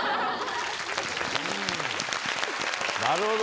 なるほど！